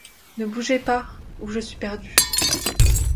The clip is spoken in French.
Ne bougez pas ou je suis perdu !